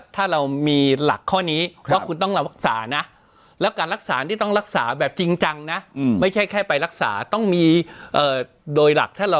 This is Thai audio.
ถ้าเรามีหลักข้อนี้ว่าคุณต้องรักษานะแล้วการรักษาที่ต้องรักษาแบบจริงจังนะไม่ใช่แค่ไปรักษาต้องมีโดยหลักถ้าเรา